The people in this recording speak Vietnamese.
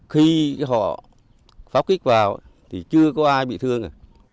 khi họ pháo kích vào thì chưa có ai bị thương